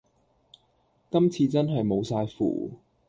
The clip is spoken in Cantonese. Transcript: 今次真係無晒符